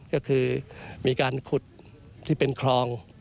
ก็คือมีการขุดที่เป็นคลอง